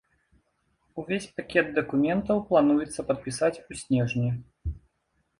Увесь пакет дакументаў плануецца падпісаць у снежні.